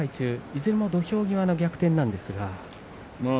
いずれも土俵際の逆転です。